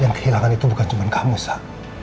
yang kehilangan itu bukan cuma kamu saya